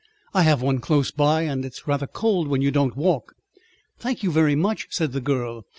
"I have one close by, and it's rather cold when you don't walk." "Thank you very much," said the girl.